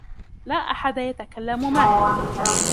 لا أحد يتكلم معي.